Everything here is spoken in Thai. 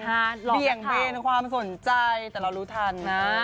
เบี่ยงเบนความสนใจแต่เรารู้ทันนะ